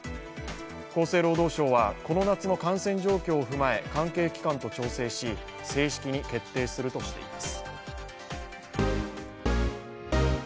厚生労働省はこの夏の感染状況を踏まえ、関係機関と調整し正式に決定するとしています。